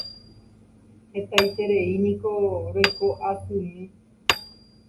hetaitereíniko roiko asymi